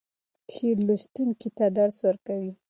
شعر لوستونکی ته درس ورکوي.